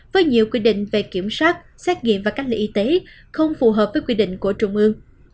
với nhiều quy định về kiểm soát xét nghiệm và cách ly y tế không phù hợp với quy định của trung ương